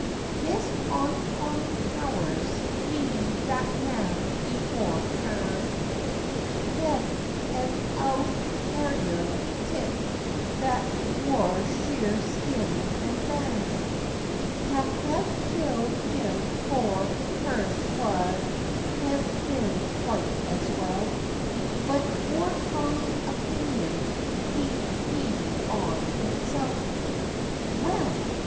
This ond Tommy Towers (bi that naam he wor knaan), Hed an oud carrion tit that wor sheer skin an' baan; Ta hev killed him for t' curs wad hev bin quite as well, But 'twor Tommy opinion {209c} he'd dee on himsel! Well!